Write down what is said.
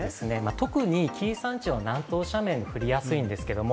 特に紀伊山地の南東斜面に降りやすいんですけど